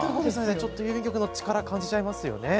ちょっと郵便局の力を感じちゃいますよね。